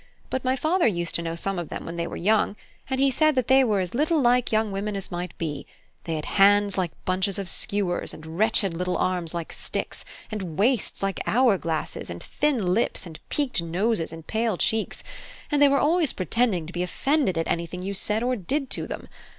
But my father used to know some of them when they were young; and he said that they were as little like young women as might be: they had hands like bunches of skewers, and wretched little arms like sticks; and waists like hour glasses, and thin lips and peaked noses and pale cheeks; and they were always pretending to be offended at anything you said or did to them.